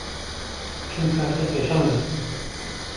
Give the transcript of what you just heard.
Çünkü artık yaşamıyor!